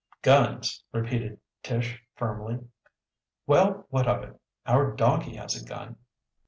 "Guns!" repeated Tish firmly. "Well, what of it? Our donkey has a gun."